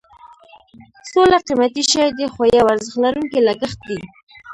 سوله قیمتي شی دی خو یو ارزښت لرونکی لګښت دی.